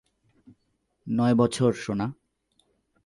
নয় বছর, সোনা।